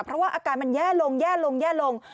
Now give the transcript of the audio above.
เพราะว่าอาการมันแย่ลงแย่ลงแย่ลง